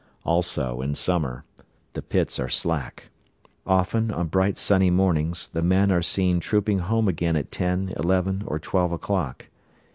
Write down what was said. Also, in summer, the pits are slack. Often, on bright sunny mornings, the men are seen trooping home again at ten, eleven, or twelve o'clock.